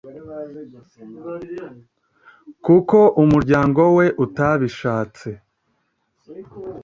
kuko umuryango we utabishatse